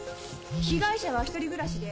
被害者は一人暮らしで。